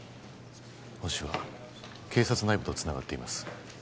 ホシは警察内部とつながっています